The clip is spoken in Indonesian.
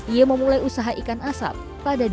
ia memulai usaha ikan asap pada dua ribu dua